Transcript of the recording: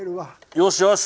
よしよし！